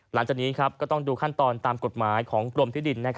หลังจากนี้ก็ต้องดูขั้นตอนตามกฎหมายของกรมที่ดิน